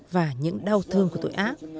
và những đau thương của tuổi ác